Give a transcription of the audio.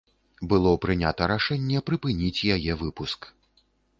Было прынята рашэнне прыпыніць яе выпуск.